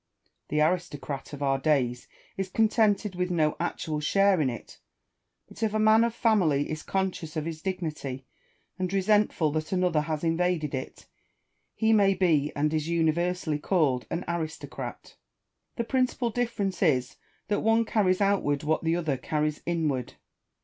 The aristocrat of our days is contented with no actual share in it ; but if a man of family is conscious of his dignity, and resentful that another has invaded it, he may be, and is universally, called an aristocrat. The principal difference is, that one carries outward what the other carries inward.